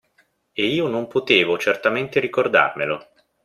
E io non potevo certamente ricordarmelo.